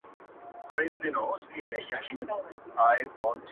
نر يم، نه در وزم!